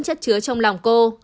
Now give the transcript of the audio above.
cảm giác rất chứa trong lòng cô